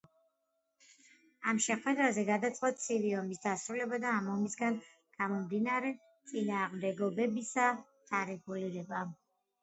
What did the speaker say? ამ შეხვედრაზე გადაწყდა „ცივი ომის“ დასრულება და ამ ომისაგან გამომდინარე წინააღმდეგობებისა დარეგულირება.